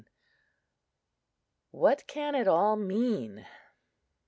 WHAT CAN IT ALL MEAN?